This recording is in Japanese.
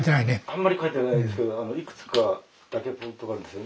あんまり書いてないですけどいくつかだけポイントがあるんですよ。